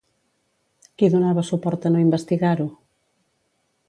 Qui donava suport a no investigar-ho?